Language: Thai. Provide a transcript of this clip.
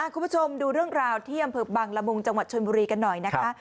คุณผู้ชมดูเรื่องราวที่อำเภอบังละมุงจังหวัดชนบุรีกันหน่อยนะคะ